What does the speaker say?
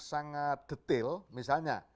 sangat detail misalnya